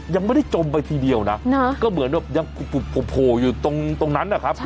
ยังไม่ได้จมไปทีเดียวนะก็เหมือนแบบยังโผล่อยู่ตรงนั้นนะครับ